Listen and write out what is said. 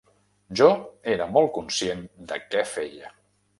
Jo era molt conscient de què feia.